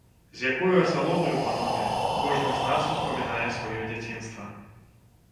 З якою асалодаю, панове, кожны з нас успамінае сваё дзяцінства!